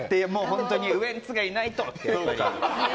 本当にウエンツがいないとって。